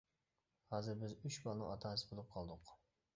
ھازىر بىز ئۈچ بالىنىڭ ئاتا-ئانىسى بولۇپ قالدۇق.